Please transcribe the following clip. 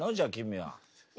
はい！